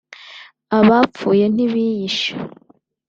abapfuye ntibiyishe